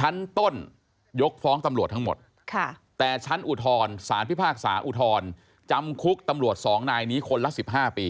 ชั้นต้นยกฟ้องตำรวจทั้งหมดแต่ชั้นอุทธรณ์สารพิพากษาอุทธรณ์จำคุกตำรวจ๒นายนี้คนละ๑๕ปี